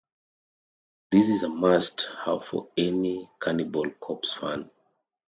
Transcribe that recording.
This is a must have for any Cannibal Corpse fan.